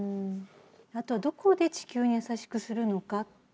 あとどこで地球にやさしくするのかっていう。